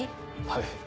はい。